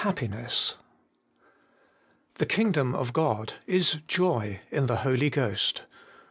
Holiness antr The kingdom of God is joy in the Holy Ghost.'